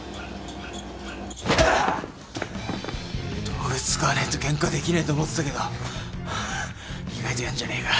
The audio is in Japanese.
道具使わねえとケンカできねえと思ってたけど意外とやんじゃねえか。